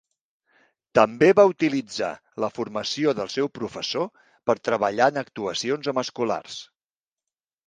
També va utilitzar la formació del seu professor per treballar en actuacions amb escolars.